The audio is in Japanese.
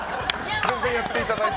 全然やっていただいて。